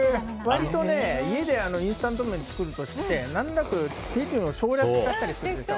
家でインスタント麺を作る時って何となく、手順を省略しちゃったりするでしょ。